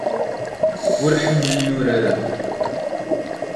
Ur ḥemmlen urar-a.